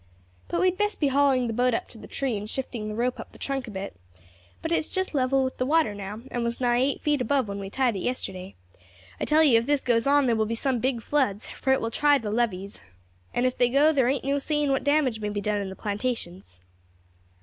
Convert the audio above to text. But we had best be hauling the boat up to the tree and shifting the rope up the trunk a bit; it's just level with the water now, and was nigh eight feet above when we tied it yesterday. I tell you if this goes on there will be some big floods, for it will try the levees, and if they go there ain't no saying what damage may be done in the plantations."